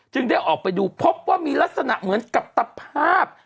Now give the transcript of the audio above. ได้ออกไปดูพบว่ามีลักษณะเหมือนกับตภาพ